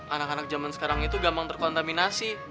anak anak zaman sekarang itu gampang terkontaminasi